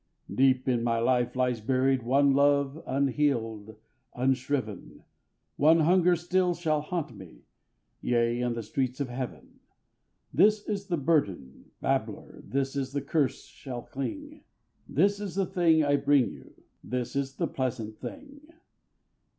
Deep in my life lies buried one love unhealed, unshriven, One hunger still shall haunt me yea, in the streets of heaven; This is the burden, babbler, this is the curse shall cling, This is the thing I bring you; this is the pleasant thing.